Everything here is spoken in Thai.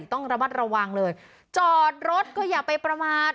ต้องระมัดระวังเลยจอดรถก็อย่าไปประมาท